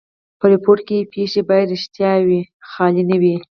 په ریپورټ کښي پېښي باید ریښتیا وي؛ خیالي نه وي.